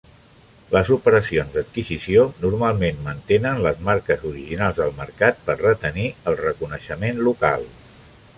Les operacions d'adquisició normalment mantenen les marques originals al mercat per retenir el reconeixement local.